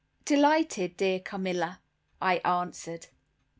"Delighted, dear Carmilla," I answered.